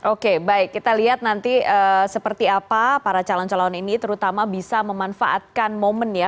oke baik kita lihat nanti seperti apa para calon calon ini terutama bisa memanfaatkan momen ya